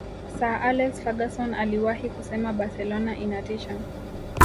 sir alex ferguson aliwahi kusema barcelona inatisha